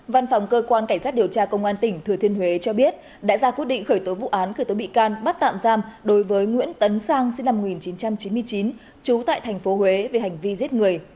văn phòng cơ quan cảnh sát điều tra công an tỉnh thừa thiên huế cho biết đã ra quyết định khởi tố vụ án khởi tố bị can bắt tạm giam đối với nguyễn tấn sang sinh năm một nghìn chín trăm chín mươi chín trú tại tp huế về hành vi giết người